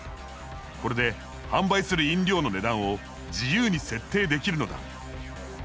これで販売する飲料の値段を自由に設定できるのだ。